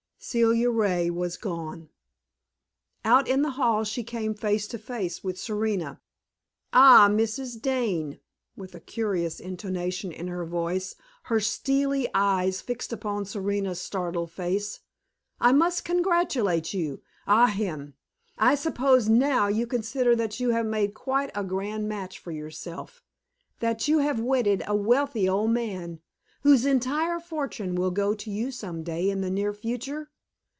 Celia Ray was gone. Out in the hall she came face to face with Serena. "Ah, Mrs. Dane!" with a curious intonation in her voice, her steely eyes fixed upon Serena's startled face "I must congratulate you ahem! I suppose now you consider that you have made quite a grand match for yourself, that you have wedded a wealthy old man, whose entire fortune will go to you some day in the near future?